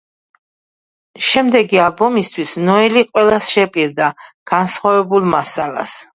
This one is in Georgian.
შემდეგი ალბომისთვის ნოელი ყველას შეპირდა განსხვავებულ მასალას.